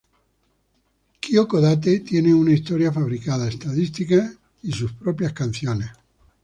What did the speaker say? Kyoko Date tiene una historia fabricada, estadísticas y sus propias canciones.